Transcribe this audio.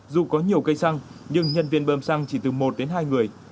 dù có nhiều cây xăng nhưng nhân viên bơm xăng chỉ từ một đến hai người